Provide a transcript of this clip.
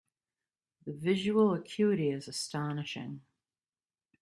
The visual acuity is astonishing.